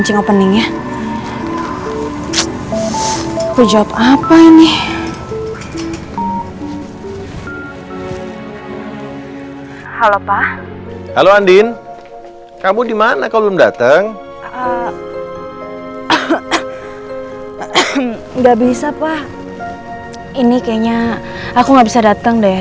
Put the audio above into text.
ini kayanya aku gabisa dateng deh